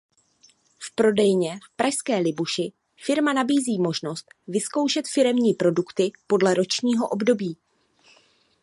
V prodejně v pražské Libuši firma nabízí možnost vyzkoušet firemní produkty podle ročního období.